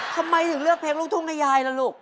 ทำไมถึงเลือกเพลงลูกทุ่งให้ยายล่ะลูก